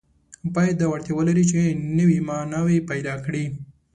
باید دا وړتیا ولري چې نوي معناوې پیدا کړي.